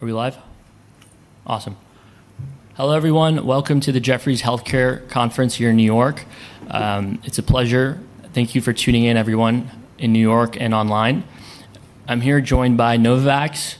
Are we live? Awesome. Hello, everyone. Welcome to the Jefferies Healthcare Conference here in New York. It's a pleasure. Thank you for tuning in everyone in New York and online. I'm here joined by Novavax,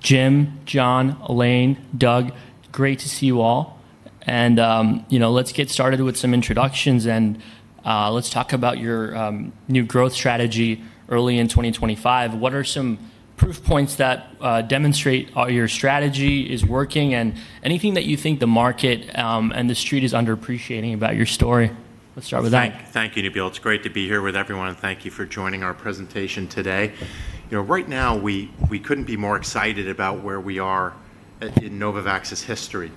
Jim, John, Elaine, Doug. Great to see you all. Let's get started with some introductions and let's talk about your new growth strategy early in 2025. What are some proof points that demonstrate how your strategy is working and anything that you think the market and the street is underappreciating about your story? Let's start with that. Thank you, Nabeel. It's great to be here with everyone, and thank you for joining our presentation today. Right now, we couldn't be more excited about where we are in Novavax's history.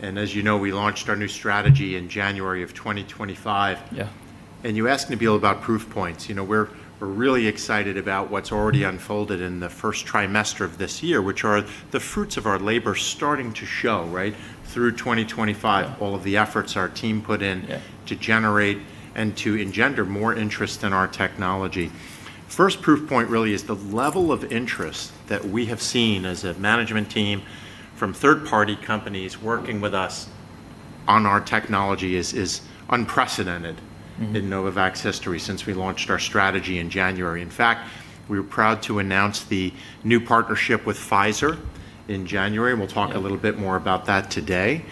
As you know, we launched our new strategy in January of 2025. Yeah. You asked, Nabeel, about proof points. We're really excited about what's already unfolded in the first trimester of this year, which are the fruits of our labor starting to show, right through 2025. Yeah to generate and to engender more interest in our technology. First proof point really is the level of interest that we have seen as a management team from third-party companies working with us on our technology is unprecedented. In Novavax history since we launched our strategy in January. We were proud to announce the new partnership with Pfizer in January, and we'll talk a little bit more about that today,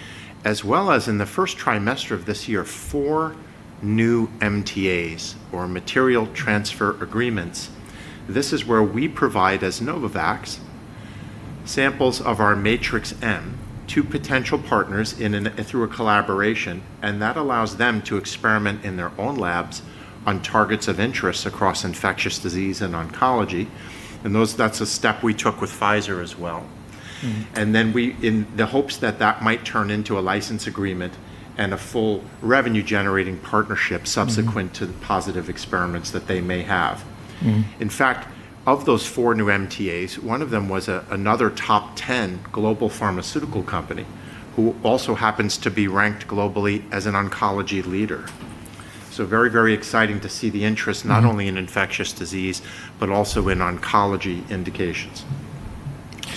as well as in the first trimester of this year, four new MTAs, or Material Transfer Agreements. This is where we provide, as Novavax, samples of our Matrix-M to potential partners through a collaboration, and that allows them to experiment in their own labs on targets of interest across infectious disease and oncology. That's a step we took with Pfizer as well. In the hopes that that might turn into a license agreement and a full revenue-generating partnership subsequent to the positive experiments that they may have. In fact, of those four new MTAs, one of them was another top 10 global pharmaceutical company, who also happens to be ranked globally as an oncology leader. Very, very exciting to see the interest not only in infectious disease but also in oncology indications.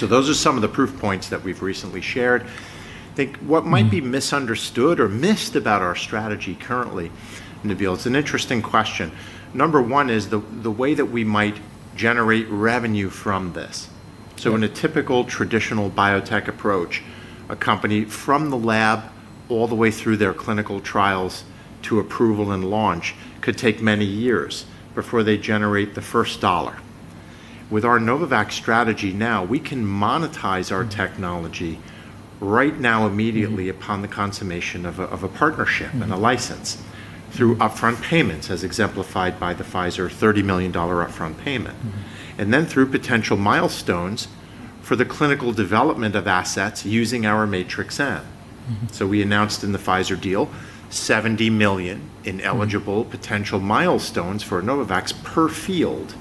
Those are some of the proof points that we've recently shared. I think what might be misunderstood or missed about our strategy currently, Nabeel, it's an interesting question. Number one is the way that we might generate revenue from this. Yeah. In a typical, traditional biotech approach, a company from the lab all the way through their clinical trials to approval and launch could take many years before they generate the first dollar. With our Novavax strategy now, we can monetize our technology right now immediately upon the consummation of a partnership and a license through upfront payments, as exemplified by the Pfizer $30 million upfront payment. Through potential milestones for the clinical development of assets using our Matrix-M. We announced in the Pfizer deal $70 million in eligible potential milestones for Novavax per field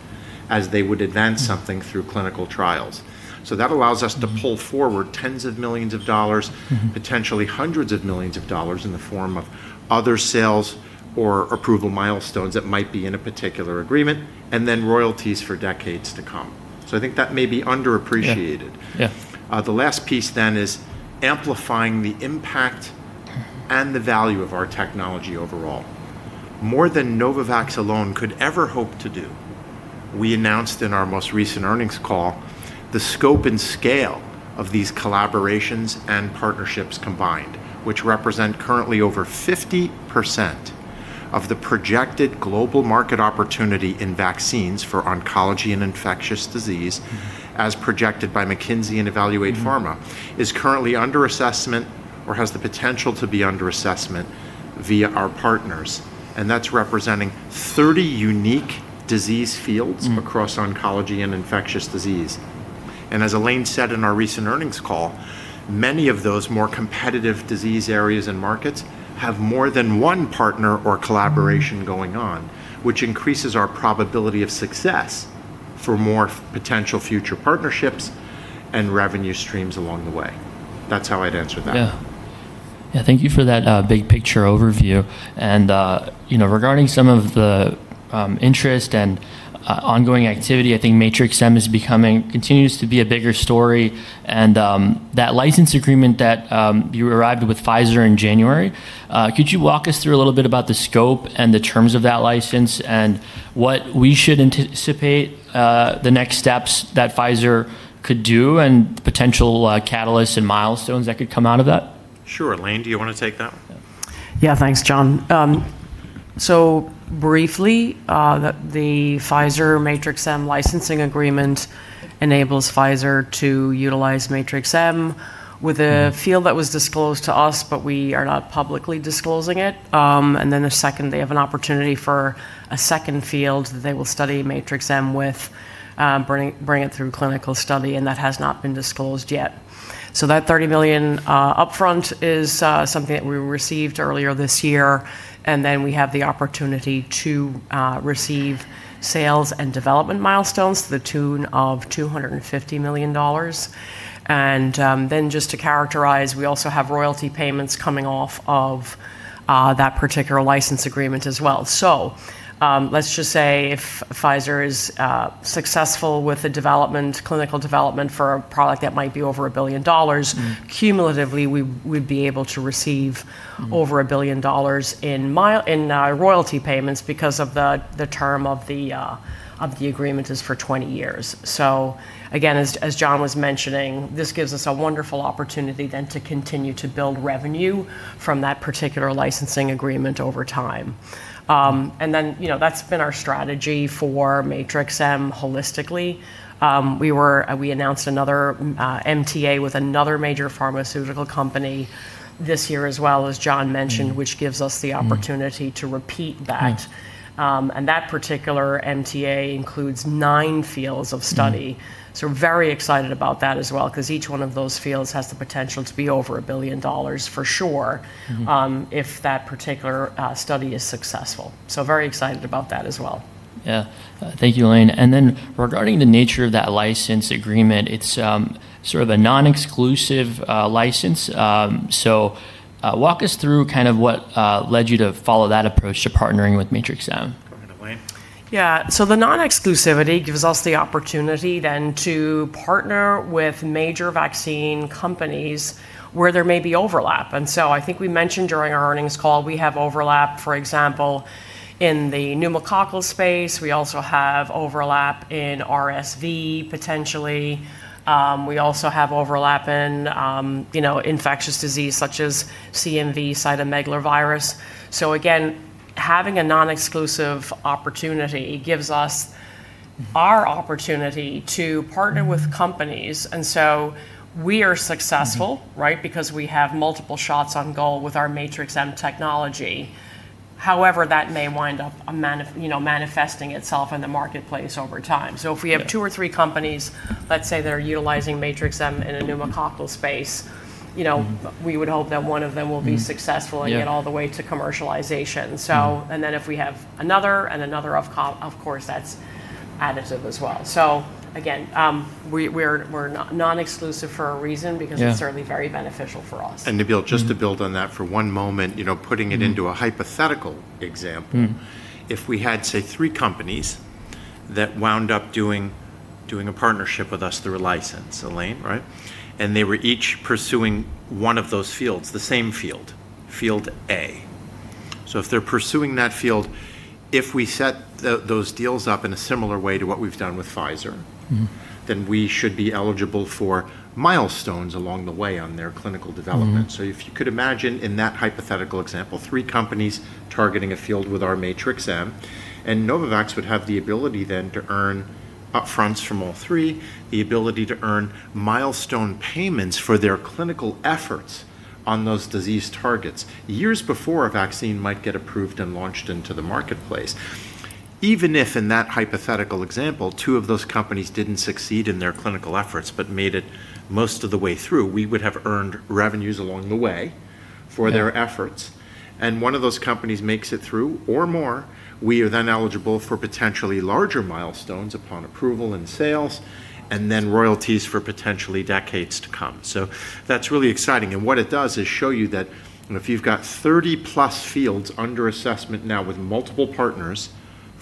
as they would advance something through clinical trials. That allows us to pull forward tens of millions of dollars potentially hundreds of millions of dollars in the form of other sales or approval milestones that might be in a particular agreement, and then royalties for decades to come. I think that may be underappreciated. Yeah. The last piece is amplifying the impact and the value of our technology overall. More than Novavax alone could ever hope to do, we announced in our most recent earnings call the scope and scale of these collaborations and partnerships combined, which represent currently over 50% of the projected global market opportunity in vaccines for oncology and infectious disease, as projected by McKinsey and EvaluatePharma, is currently under assessment or has the potential to be under assessment via our partners. That's representing 30 unique disease fields across oncology and infectious disease. As Elaine said in our recent earnings call, many of those more competitive disease areas and markets have more than one partner or collaboration going on, which increases our probability of success for more potential future partnerships and revenue streams along the way. That's how I'd answer that. Yeah. Thank you for that big-picture overview. Regarding some of the interest and ongoing activity, I think Matrix-M continues to be a bigger story, and that license agreement that you arrived with Pfizer in January, could you walk us through a little bit about the scope and the terms of that license and what we should anticipate the next steps that Pfizer could do and potential catalysts and milestones that could come out of that? Sure. Elaine, do you want to take that? Thanks, John. Briefly, the Pfizer Matrix-M licensing agreement enables Pfizer to utilize Matrix-M with a field that was disclosed to us, but we are not publicly disclosing it. The second, they have an opportunity for a second field that they will study Matrix-M with, bring it through clinical study, and that has not been disclosed yet. That $30 million upfront is something that we received earlier this year, we have the opportunity to receive sales and development milestones to the tune of $250 million. Just to characterize, we also have royalty payments coming off of that particular license agreement as well. Let's just say if Pfizer is successful with the clinical development for a product, that might be over $1 billion. Cumulatively, we'd be able to receive over $1 billion in royalty payments because of the term of the agreement is for 20 years. Again, as John was mentioning, this gives us a wonderful opportunity then to continue to build revenue from that particular licensing agreement over time. That's been our strategy for Matrix-M holistically. We announced another MTA with another major pharmaceutical company this year as well, as John mentioned. Which gives us the opportunity to repeat that. Right. That particular MTA includes nine fields of study. We're very excited about that as well, because each one of those fields has the potential to be over $1 billion for sure if that particular study is successful. Very excited about that as well. Thank you, Elaine. Regarding the nature of that license agreement, it's sort of a non-exclusive license. Walk us through what led you to follow that approach to partnering with Matrix-M. Go ahead, Elaine. Yeah. The non-exclusivity gives us the opportunity then to partner with major vaccine companies where there may be overlap. I think we mentioned during our earnings call we have overlap, for example, in the pneumococcal space. We also have overlap in RSV, potentially. We also have overlap in infectious disease such as CMV, cytomegalovirus. Again, having a non-exclusive opportunity gives us our opportunity to partner with companies. We are successful, right, because we have multiple shots on goal with our Matrix-M technology. However, that may wind up manifesting itself in the marketplace over time. If we have two or three companies, let's say, that are utilizing Matrix-M in a pneumococcal space. We would hope that one of them will be successful. Mm-hmm. Yeah. Get all the way to commercialization. If we have another and another, of course that's additive as well. Again, we're non-exclusive for a reason. Yeah because it's certainly very beneficial for us. Nabeel, just to build on that for one moment. Putting it into a hypothetical example. If we had, say, three companies that wound up doing a partnership with us through a license, Elaine, right? They were each pursuing one of those fields, the same field A. If they're pursuing that field, if we set those deals up in a similar way to what we've done with Pfizer. We should be eligible for milestones along the way on their clinical development. If you could imagine in that hypothetical example, three companies targeting a field with our Matrix-M, and Novavax would have the ability then to earn up-fronts from all three, the ability to earn milestone payments for their clinical efforts on those disease targets years before a vaccine might get approved and launched into the marketplace. Even if, in that hypothetical example, two of those companies didn't succeed in their clinical efforts but made it most of the way through, we would have earned revenues along the way for their efforts. Yeah. One of those companies makes it through or more, we are then eligible for potentially larger milestones upon approval and sales, and then royalties for potentially decades to come. That's really exciting, and what it does is show you that if you've got 30+ fields under assessment now with multiple partners,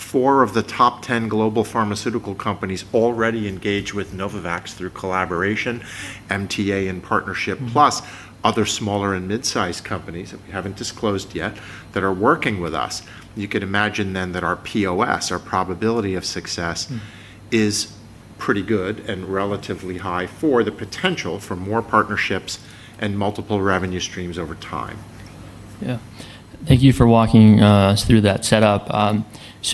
four of the top 10 global pharmaceutical companies already engaged with Novavax through collaboration, MTA, and partnership plus other smaller and mid-size companies that we haven't disclosed yet, that are working with us, you can imagine then that our POS, our probability of success is pretty good and relatively high for the potential for more partnerships and multiple revenue streams over time. Yeah. Thank you for walking us through that setup.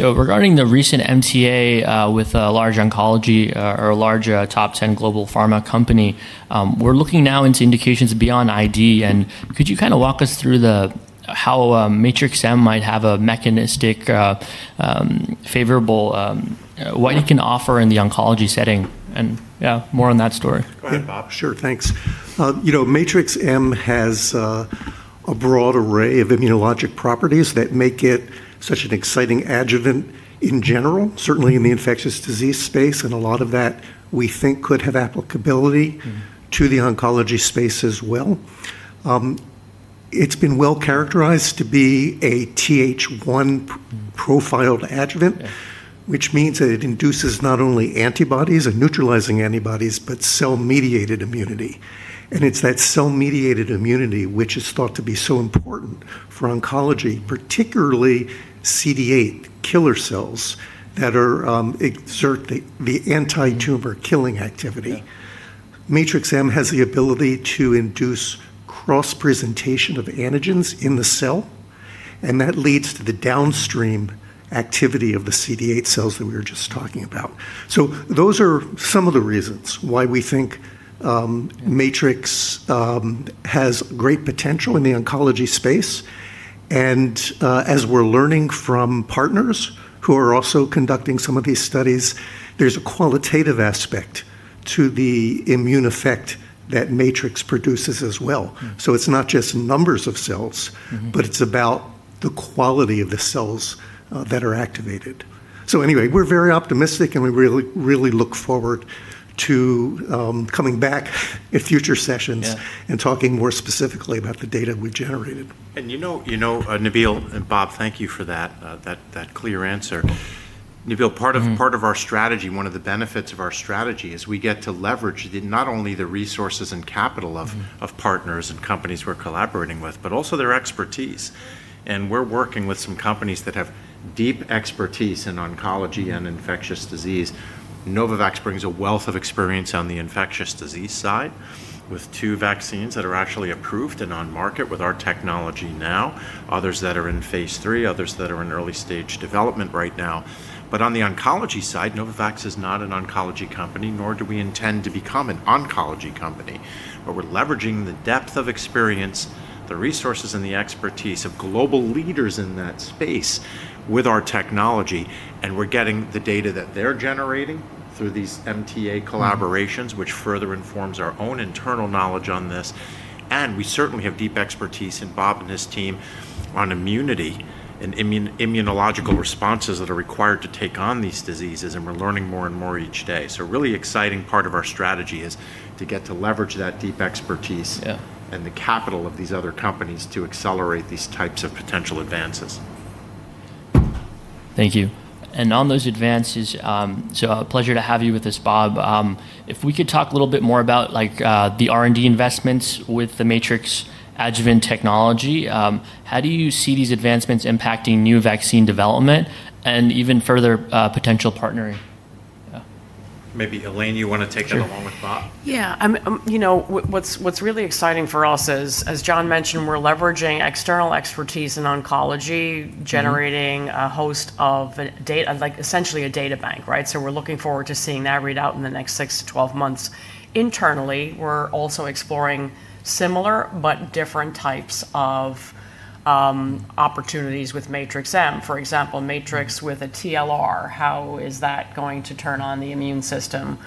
Regarding the recent MTA with a large oncology or a large top 10 global pharma company, we're looking now into indications beyond ID, and could you walk us through how Matrix-M might have a mechanistic favorable, what it can offer in the oncology setting, and yeah, more on that story? Go ahead, Bob. Sure, thanks. Matrix-M has a broad array of immunologic properties that make it such an exciting adjuvant in general, certainly in the infectious disease space, and a lot of that we think could have applicability to the oncology space as well. It's been well-characterized to be a Th1-profiled adjuvant. Yeah which means that it induces not only antibodies and neutralizing antibodies, but cell-mediated immunity. It's that cell-mediated immunity which is thought to be so important for oncology, particularly CD8 killer cells that exert the anti-tumor killing activity. Yeah. Matrix-M has the ability to induce cross-presentation of antigens in the cell, that leads to the downstream activity of the CD8 cells that we were just talking about. Those are some of the reasons why we think Matrix has great potential in the oncology space. As we're learning from partners who are also conducting some of these studies, there's a qualitative aspect to the immune effect that Matrix produces as well. It's not just numbers of cells. It's about the quality of the cells that are activated. Anyway, we're very optimistic, and we really look forward to coming back at future sessions. Yeah Talking more specifically about the data we've generated. Nabeel and Bob, thank you for that clear answer. Part of our strategy, one of the benefits of our strategy, is we get to leverage not only the resources and capital partners and companies we're collaborating with, but also their expertise. We're working with some companies that have deep expertise in oncology and infectious disease. Novavax brings a wealth of experience on the infectious disease side, with two vaccines that are actually approved and on market with our technology now, others that are in phase III, others that are in early stage development right now. On the oncology side, Novavax is not an oncology company, nor do we intend to become an oncology company. We're leveraging the depth of experience, the resources, and the expertise of global leaders in that space with our technology, and we're getting the data that they're generating through these MTA collaborations. which further informs our own internal knowledge on this. We certainly have deep expertise in Bob and his team on immunity and immunological responses that are required to take on these diseases, and we're learning more and more each day. Really exciting part of our strategy is to get to leverage that deep expertise. Yeah The capital of these other companies to accelerate these types of potential advances. Thank you. On those advances, a pleasure to have you with us, Bob. If we could talk a little bit more about the R&D investments with the Matrix adjuvant technology. How do you see these advancements impacting new vaccine development and even further potential partnering? Yeah. Maybe Elaine, you want to take that along with Bob? Yeah. What's really exciting for us is, as John mentioned, we're leveraging external expertise in oncology generating a host of data, like essentially a data bank. We're looking forward to seeing that read out in the next 6 to 12 months. Internally, we're also exploring similar but different types of opportunities with Matrix-M. For example, Matrix with a TLR, how is that going to turn on the immune system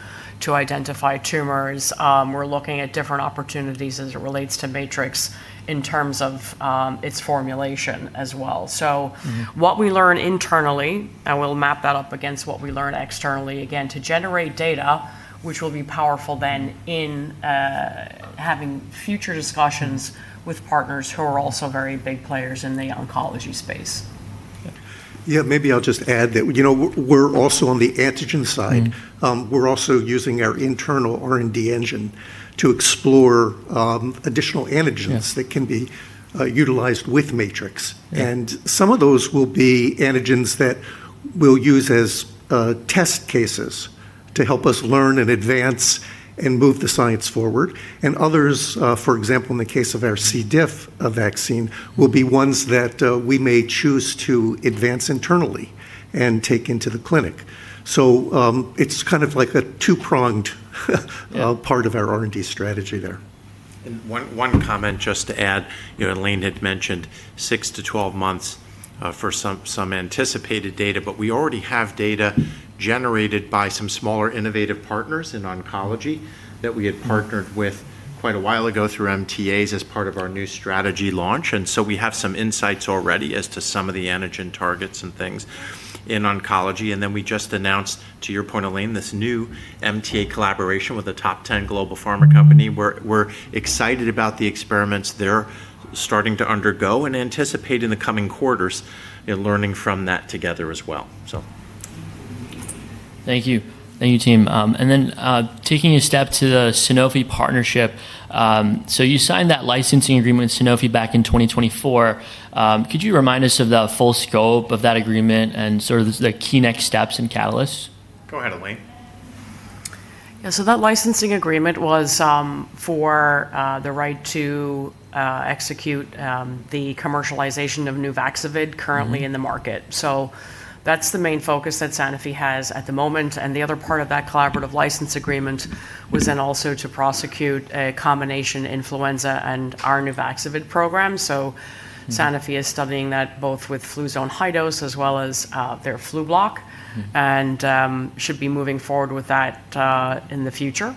to identify tumors? We're looking at different opportunities as it relates to Matrix in terms of its formulation as well. What we learn internally, and we'll map that up against what we learn externally, again, to generate data, which will be powerful then in having future discussions with partners who are also very big players in the oncology space. Yeah, maybe I'll just add that we're also on the antigen side. We're also using our internal R&D engine to explore additional antigens. Yeah that can be utilized with Matrix. Yeah. Some of those will be antigens that we'll use as test cases to help us learn and advance and move the science forward. Others, for example, in the case of our C. diff vaccine, will be ones that we may choose to advance internally and take into the clinic. It's kind of like a two-pronged part of our R&D strategy there. One comment just to add, Elaine had mentioned 6 to 12 months for some anticipated data, but we already have data generated by some smaller innovative partners in oncology that we had partnered with quite a while ago through MTAs as part of our new strategy launch. We have some insights already as to some of the antigen targets and things in oncology. We just announced, to your point, Elaine, this new MTA collaboration with a top 10 global pharma company. We're excited about the experiments they're starting to undergo and anticipate in the coming quarters in learning from that together as well. Thank you. Thank you, team. Then, taking a step to the Sanofi partnership, so you signed that licensing agreement with Sanofi back in 2024. Could you remind us of the full scope of that agreement and sort of the key next steps and catalysts? Go ahead, Elaine. That licensing agreement was for the right to execute the commercialization of Nuvaxovid currently in the market. That's the main focus that Sanofi has at the moment, and the other part of that collaborative license agreement was then also to prosecute a combination influenza and our Nuvaxovid program. Sanofi is studying that both with Fluzone High-Dose as well as their Flublok, and should be moving forward with that in the future.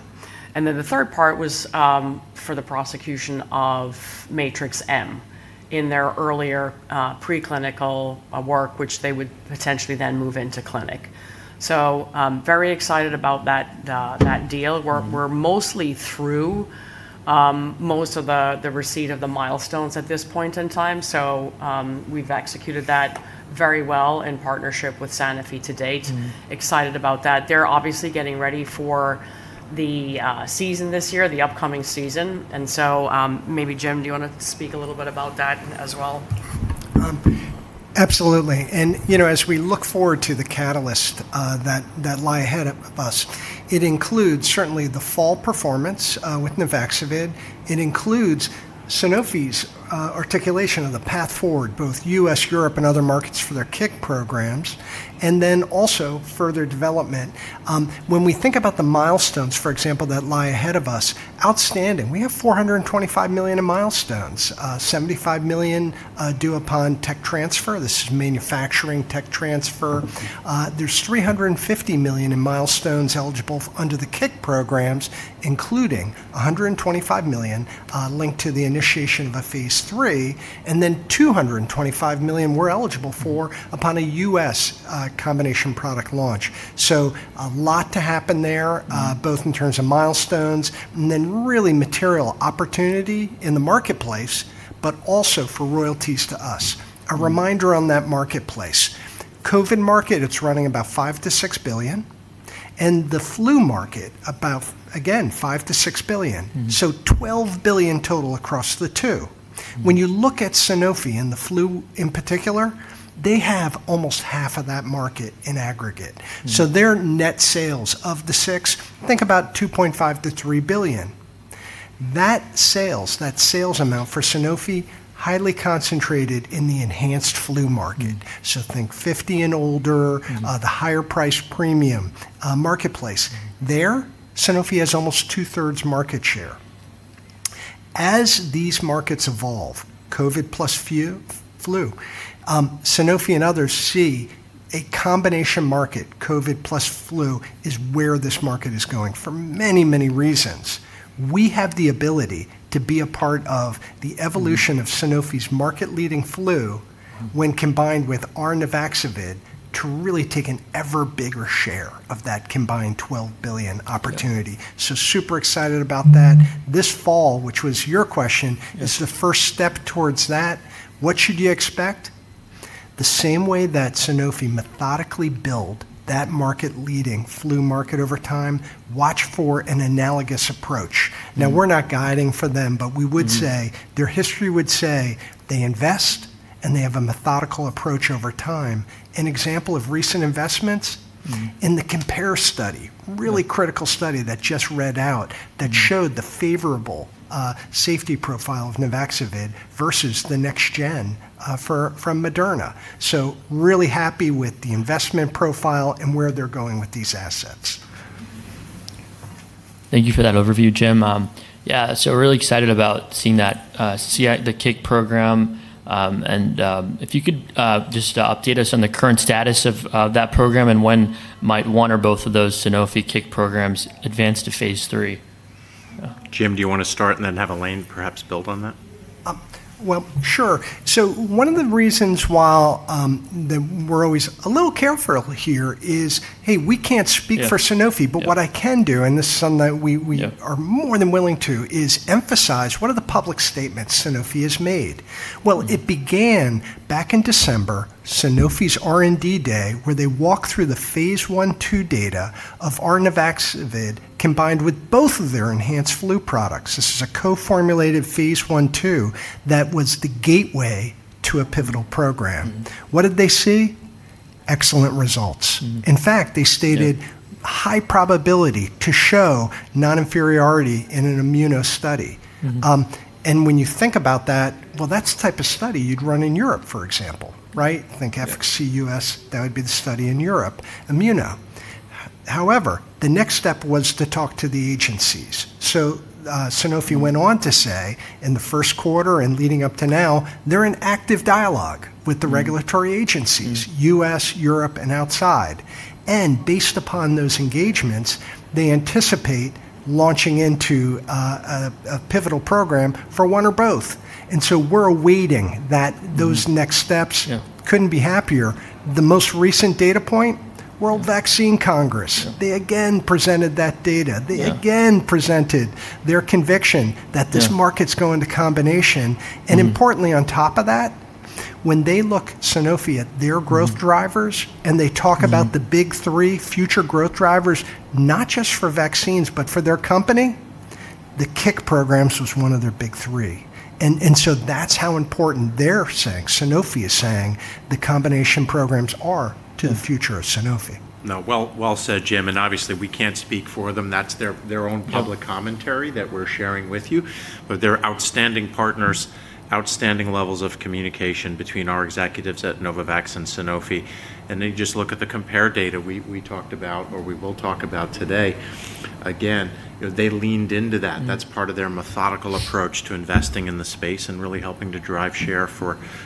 The third part was for the prosecution of Matrix-M in their earlier preclinical work, which they would potentially then move into clinic. Very excited about that deal. We're mostly through most of the receipt of the milestones at this point in time. We've executed that very well in partnership with Sanofi to date. Excited about that. They're obviously getting ready for the season this year, the upcoming season. Maybe Jim, do you want to speak a little bit about that as well? Absolutely. As we look forward to the catalyst that lie ahead of us, it includes certainly the fall performance with Nuvaxovid. It includes Sanofi's articulation of the path forward, both U.S., Europe, and other markets for their CIC programs, and then also further development. When we think about the milestones, for example, that lie ahead of us, outstanding. We have $425 million in milestones, $75 million due upon tech transfer. This is manufacturing tech transfer. There's $350 million in milestones eligible under the CIC programs, including $125 million linked to the initiation of a phase III, and then $225 million we're eligible for upon a U.S. combination product launch. A lot to happen there, both in terms of milestones and then really material opportunity in the marketplace, but also for royalties to us. A reminder on that marketplace. COVID market, it's running about $5 billion-$6 billion, and the flu market, about, again, $5 billion-$6 billion. $12 billion total across the two. When you look at Sanofi and the flu in particular, they have almost half of that market in aggregate. Their net sales of the six, think about $2.5 billion-$3 billion. That sales amount for Sanofi, highly concentrated in the enhanced flu market. Think 50 and older. the higher price premium marketplace. There, Sanofi has almost 2/3 market share. As these markets evolve, COVID plus flu, Sanofi and others see a combination market. COVID plus flu is where this market is going for many reasons. We have the ability to be a part of the evolution of Sanofi's market-leading flu when combined with our Nuvaxovid to really take an ever-bigger share of that combined $12 billion opportunity. Yeah. super excited about that. This fall, which was your question. Yes is the first step towards that. What should you expect? The same way that Sanofi methodically built that market-leading flu market over time, watch for an analogous approach. Now, we're not guiding for them, but we would say, their history would say they invest and they have a methodical approach over time. An example of recent investments in the COMPARE study. Yeah. Really critical study that just read out that showed the favorable safety profile of Nuvaxovid versus the next gen from Moderna. We are really happy with the investment profile and where they're going with these assets. Thank you for that overview, Jim. We're really excited about seeing the CIC program. If you could just update us on the current status of that program and when might one or both of those Sanofi CIC programs advance to phase III. Yeah. Jim, do you want to start and then have Elaine perhaps build on that? Well, sure. One of the reasons why we're always a little careful here is, hey, we can't speak for Sanofi. Yeah. what I can do, and this is something that. Yeah are more than willing to, is emphasize one of the public statements Sanofi has made. Well, it began back in December, Sanofi's R&D Day, where they walked through the phase I, II data of Nuvaxovid combined with both of their enhanced flu products. This is a co-formulated phase I, II that was the gateway to a pivotal program. What did they see? Excellent results. In fact, they stated- Yeah high probability to show non-inferiority in an immunobridging study. When you think about that, well, that's the type of study you'd run in Europe, for example, right? Think [Fc]. Yeah U.S., that would be the study in Europe, Immuno. The next step was to talk to the agencies. Sanofi went on to say, in the first quarter and leading up to now, they're in active dialogue with the regulatory agencies. U.S., Europe, and outside. Based upon those engagements, they anticipate launching into a pivotal program for one or both. We're awaiting that those next steps. Yeah. Couldn't be happier. The most recent data point, World Vaccine Congress. Yeah. They again presented that data. Yeah. They again presented their conviction. Yeah market's going to combination. Importantly, on top of that, when they look, Sanofi, at their growth drivers and they talk about the big three future growth drivers, not just for vaccines, but for their company, the CIC programs was one of their big three. That's how important they're saying, Sanofi is saying the combination programs are to the future of Sanofi. No, well said, Jim, obviously we can't speak for them. That's their own public commentary that we're sharing with you. They're outstanding partners, outstanding levels of communication between our executives at Novavax and Sanofi, just look at the COMPARE data we talked about or we will talk about today. Again, they leaned into that. That's part of their methodical approach to investing in the space and really helping to drive share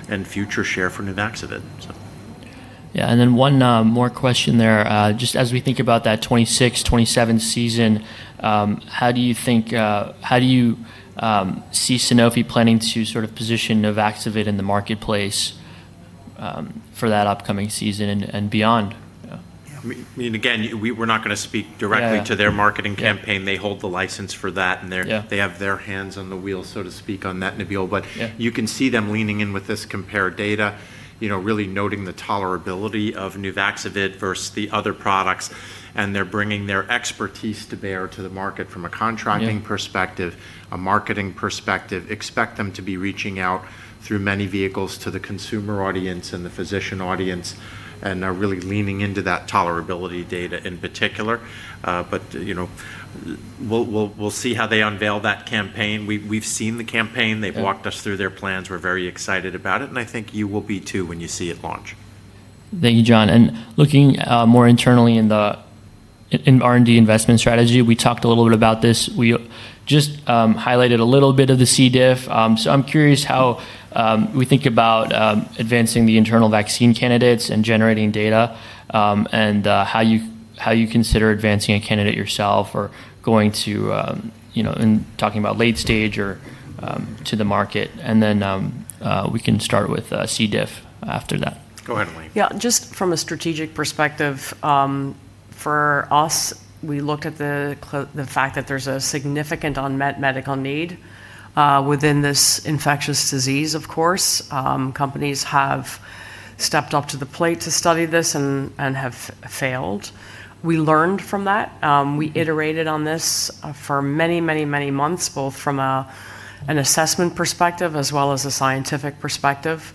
and future share for Nuvaxovid. Yeah. One more question there. Just as we think about that 2026, 2027 season, how do you see Sanofi planning to position Nuvaxovid in the marketplace for that upcoming season and beyond? Yeah. Again, we're not going to speak directly to their marketing campaign. Yeah. They hold the license for that. Yeah their hands on the wheel, so to speak, on that Nabeel. Yeah. You can see them leaning in with this COMPARE data, really noting the tolerability of Nuvaxovid versus the other products, and they're bringing their expertise to bear to the market from a contracting perspective. Yeah a marketing perspective. Expect them to be reaching out through many vehicles to the consumer audience and the physician audience, and are really leaning into that tolerability data in particular. We'll see how they unveil that campaign. We've seen the campaign. Yeah. They've walked us through their plans. We're very excited about it, and I think you will be too when you see it launch. Thank you, John. Looking more internally in the R&D investment strategy, we talked a little bit about this. We just highlighted a little bit of the C. diff., I'm curious how we think about advancing the internal vaccine candidates and generating data, how you consider advancing a candidate yourself or going to, in talking about late stage or to the market. We can start with C. diff. after that. Go ahead, Elaine. Yeah. Just from a strategic perspective, for us, we look at the fact that there's a significant unmet medical need within this infectious disease, of course. Companies have stepped up to the plate to study this and have failed. We learned from that. We iterated on this for many months, both from an assessment perspective as well as a scientific perspective.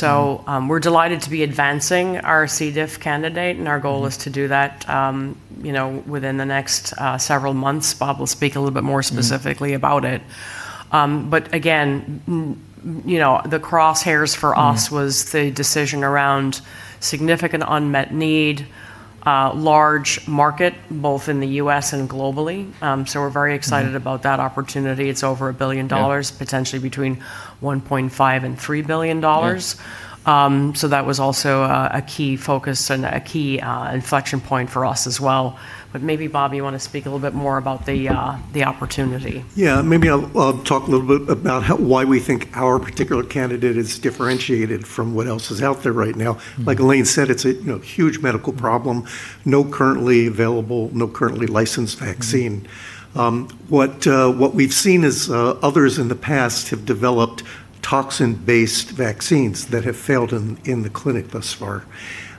We're delighted to be advancing our C. diff. candidate, and our goal is to do that within the next several months. Bob will speak a little bit more specifically about it. Again, the crosshairs for us was the decision around significant unmet need, large market, both in the U.S. and globally. We're very excited about that opportunity. It's over $1 billion. Yeah. Potentially between $1.5 billion and $3 billion. Yeah. That was also a key focus and a key inflection point for us as well. Maybe, Bob, you want to speak a little bit more about the opportunity? Yeah. Maybe I'll talk a little bit about why we think our particular candidate is differentiated from what else is out there right now. Like Elaine said, it's a huge medical problem. No currently available, no currently licensed vaccine. What we've seen is others in the past have developed toxin-based vaccines that have failed in the clinic thus far.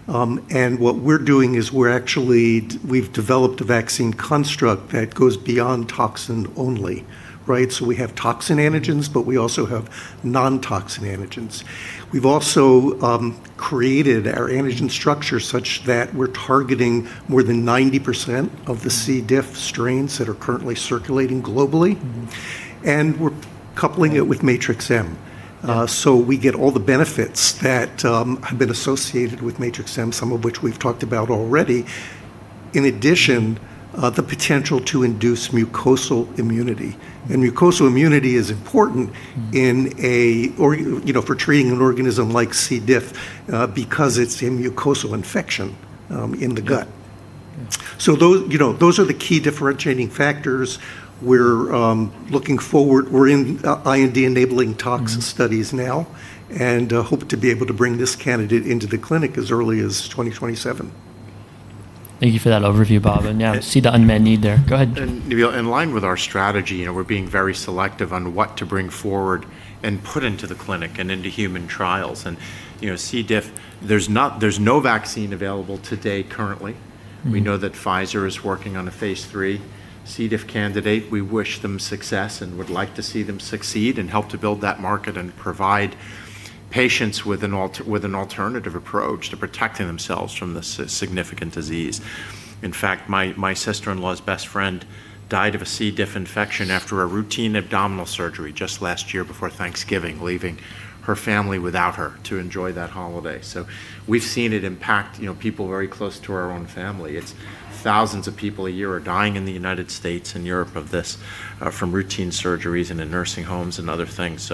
What we're doing is we've developed a vaccine construct that goes beyond toxin only. We have toxin antigens, but we also have non-toxin antigens. We've also created our antigen structure such that we're targeting more than 90% of the C. diff. strains that are currently circulating globally. We're coupling it with Matrix-M. We get all the benefits that have been associated with Matrix-M, some of which we've talked about already. In addition, the potential to induce mucosal immunity. Mucosal immunity is important. or for treating an organism like C. diff because it's a mucosal infection in the gut. Yeah. Those are the key differentiating factors. We're looking forward, we're in IND-enabling toxicology studies now, and hope to be able to bring this candidate into the clinic as early as 2027. Thank you for that overview, Bob. Yeah, see the unmet need there. Go ahead. Nabeel, in line with our strategy, we're being very selective on what to bring forward and put into the clinic and into human trials. C. diff., there's no vaccine available today currently. We know that Pfizer is working on a phase III C. diff candidate. We wish them success and would like to see them succeed and help to build that market and provide patients with an alternative approach to protecting themselves from this significant disease. In fact, my sister-in-law's best friend died of a C. diff infection after a routine abdominal surgery just last year before Thanksgiving, leaving her family without her to enjoy that holiday. We've seen it impact people very close to our own family. It's thousands of people a year are dying in the U.S. and Europe of this, from routine surgeries and in nursing homes and other things.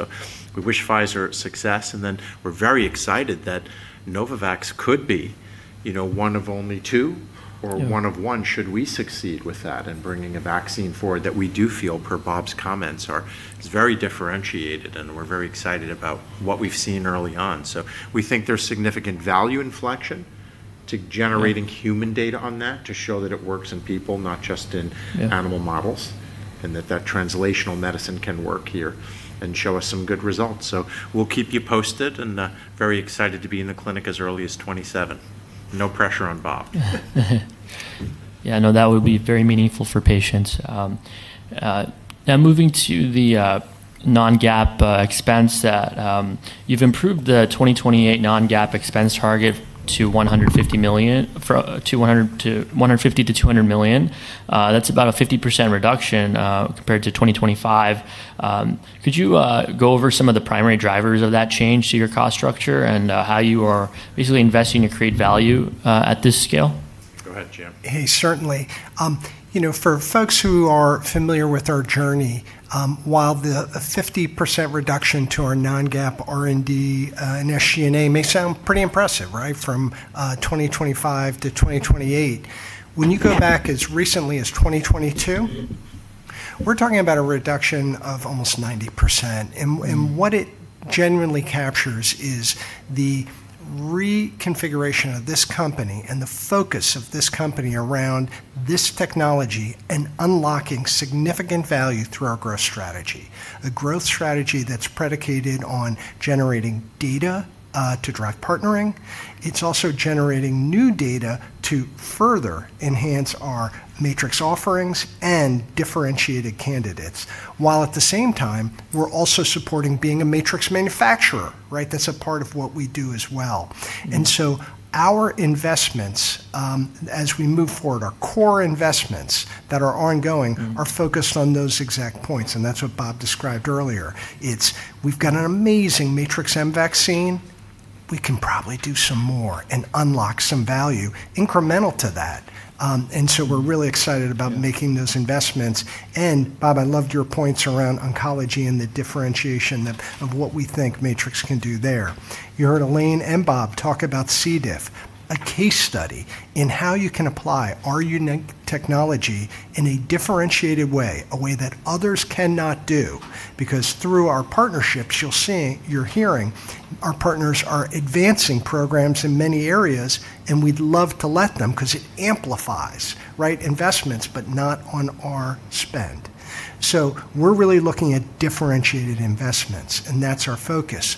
We wish Pfizer success, and then we're very excited that Novavax could be one of only two- Yeah One of one should we succeed with that in bringing a vaccine forward that we do feel, per Bob's comments, is very differentiated, and we're very excited about what we've seen early on. We think there's significant value inflection. Yeah human data on that to show that it works in people, not just. Yeah animal models, and that translational medicine can work here and show us some good results. We'll keep you posted, and very excited to be in the clinic as early as 2027. No pressure on Bob. Yeah, no, that would be very meaningful for patients. Moving to the non-GAAP expense. You've improved the 2028 non-GAAP expense target to $150 million-$200 million. That's about a 50% reduction compared to 2025. Could you go over some of the primary drivers of that change to your cost structure and how you are basically investing to create value at this scale? Go ahead, Jim. Hey, certainly. For folks who are familiar with our journey, while the 50% reduction to our non-GAAP R&D and SG&A may sound pretty impressive, from 2025 to 2028, when you go back as recently as 2022, we're talking about a reduction of almost 90%. What it genuinely captures is the reconfiguration of this company and the focus of this company around this technology and unlocking significant value through our growth strategy. A growth strategy that's predicated on generating data to drive partnering. It's also generating new data to further enhance our Matrix offerings and differentiated candidates. While at the same time, we're also supporting being a Matrix manufacturer. That's a part of what we do as well. Our investments, as we move forward, our core investments that are ongoing are focused on those exact points, and that's what Bob described earlier. It's we've got an amazing Matrix-M vaccine. We can probably do some more and unlock some value incremental to that. So we're really excited about making those investments. Bob, I loved your points around oncology and the differentiation of what we think Matrix can do there. You heard Elaine and Bob talk about C. diff, a case study in how you can apply our unique technology in a differentiated way, a way that others cannot do. Because through our partnerships, you're hearing our partners are advancing programs in many areas, and we'd love to let them, because it amplifies investments, but not on our spend. We're really looking at differentiated investments, and that's our focus.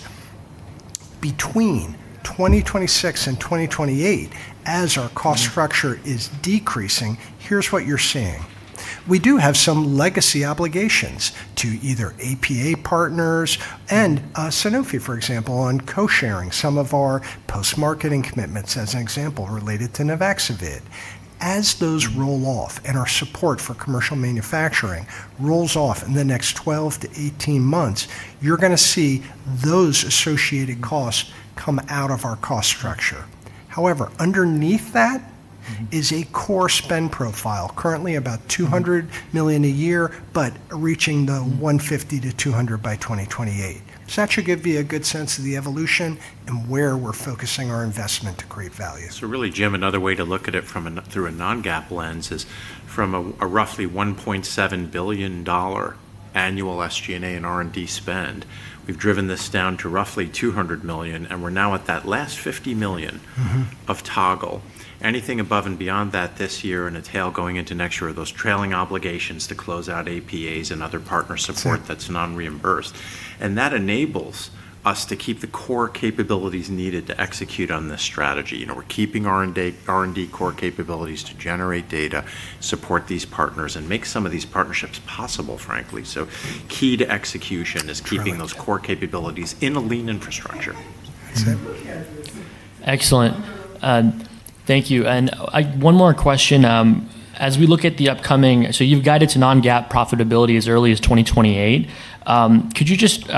Between 2026 and 2028, as our cost structure is decreasing, here's what you're seeing. We do have some legacy obligations to either APA partners and Sanofi, for example, on co-sharing some of our post-marketing commitments, as an example, related to Nuvaxovid. As those roll off and our support for commercial manufacturing rolls off in the next 12 to 18 months, you're going to see those associated costs come out of our cost structure. However, underneath that is a core spend profile, currently about $200 million a year, but reaching the $150 million to $200 million by 2028. That should give you a good sense of the evolution and where we're focusing our investment to create value. Really, Jim, another way to look at it through a non-GAAP lens is from a $1.7 billion annual SG&A and R&D spend, we've driven this down to $200 million, and we're now at that last $50 million of toggle. Anything above and beyond that this year and a tail going into next year are those trailing obligations to close out APAs and other partner support that's non-reimbursed. That enables us to keep the core capabilities needed to execute on this strategy. We're keeping R&D core capabilities to generate data, support these partners, and make some of these partnerships possible, frankly. Key to execution is keeping those core capabilities in a lean infrastructure. That's it. Excellent. Thank you. One more question. You've guided to non-GAAP profitability as early as 2028. Could you just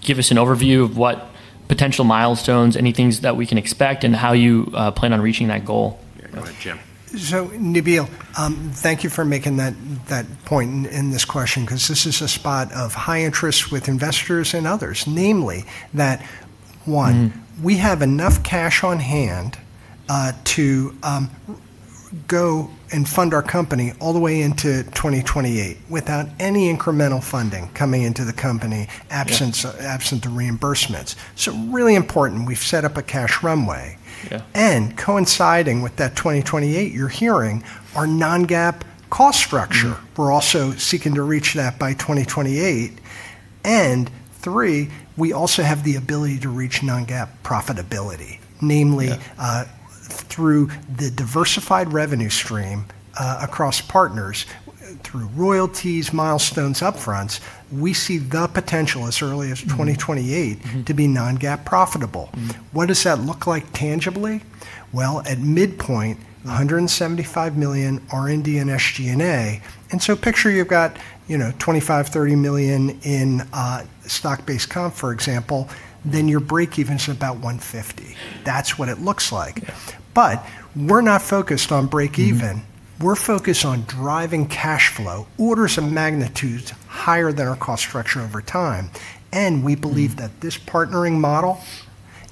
give us an overview of what potential milestones, any things that we can expect, and how you plan on reaching that goal? Yeah. Go ahead, Jim. Nabeel, thank you for making that point in this question, because this is a spot of high interest with investors and others, namely that, one, we have enough cash on hand to go and fund our company all the way into 2028 without any incremental funding coming into the company absent the reimbursements. Really important, we've set up a cash runway. Yeah. Coinciding with that 2028, you're hearing our non-GAAP cost structure. Yeah. We're also seeking to reach that by 2028. Three, we also have the ability to reach non-GAAP profitability, namely. Yeah through the diversified revenue stream across partners, through royalties, milestones, up-fronts, we see the potential as early as 2028 to be non-GAAP profitable. What does that look like tangibly? Well, at midpoint, $175 million R&D and SG&A. Picture you've got $25 million, $30 million in stock-based comp, for example, then your breakeven's about $150. That's what it looks like. Yeah. We're not focused on breakeven. We're focused on driving cash flow orders of magnitude higher than our cost structure over time. We believe that this partnering model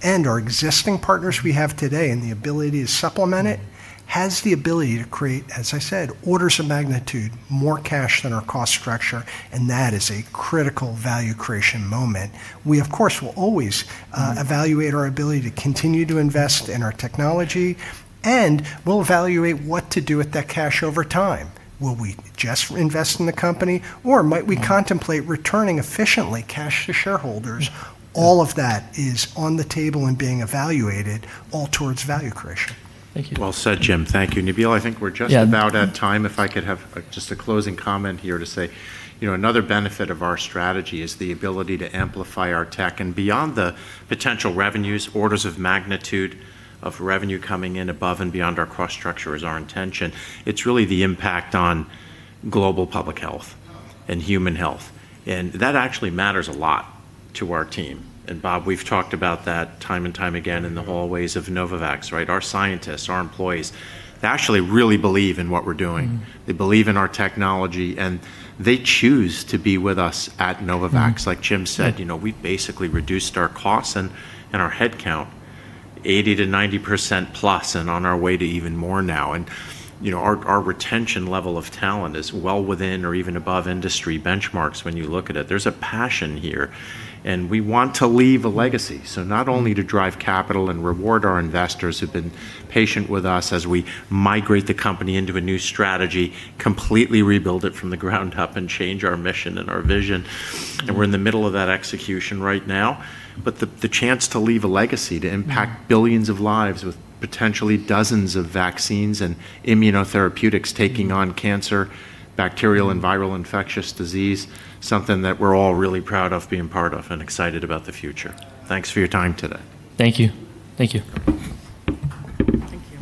and our existing partners we have today, and the ability to supplement it, has the ability to create, as I said, orders of magnitude more cash than our cost structure, and that is a critical value creation moment. We, of course, will always evaluate our ability to continue to invest in our technology, and we'll evaluate what to do with that cash over time. Will we just invest in the company, or might we contemplate returning efficiently cash to shareholders? All of that is on the table and being evaluated, all towards value creation. Thank you. Well said, Jim. Thank you. Nabeel, I think we're just about at time. If I could have just a closing comment here to say another benefit of our strategy is the ability to amplify our tech. beyond the potential revenues, orders of magnitude of revenue coming in above and beyond our cost structure is our intention. It's really the impact on global public health and human health. that actually matters a lot to our team. Bob, we've talked about that time and time again in the hallways of Novavax, right? Our scientists, our employees, they actually really believe in what we're doing. They believe in our technology, and they choose to be with us at Novavax. Like Jim said, we basically reduced our costs and our headcount 80% to 90%+, and on our way to even more now. Our retention level of talent is well within or even above industry benchmarks when you look at it. There's a passion here, and we want to leave a legacy. Not only to drive capital and reward our investors who've been patient with us as we migrate the company into a new strategy, completely rebuild it from the ground up, and change our mission and our vision, and we're in the middle of that execution right now. the chance to leave a legacy, to impact billions of lives with potentially dozens of vaccines and immunotherapeutics taking on cancer, bacterial and viral infectious disease, something that we're all really proud of being part of and excited about the future. Thanks for your time today. Thank you. Thank you. Thank you.